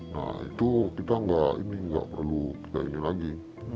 nah itu kita nggak perlu kita ini lagi